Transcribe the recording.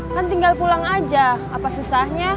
kan tinggal pulang aja apa susahnya